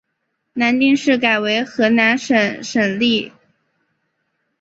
南定市改为河南宁省省莅。